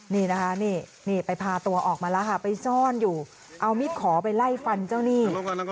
นี่นะคะนี่ไปพาตัวออกมาแล้วค่ะไปซ่อนอยู่เอามิดขอไปไล่ฟันเจ้าหนี้